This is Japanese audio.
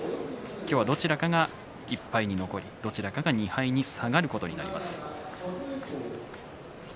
今日、どちらかが１敗に残りどちらかが２敗に下がることになります。